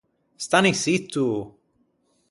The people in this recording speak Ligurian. Stanni sitto!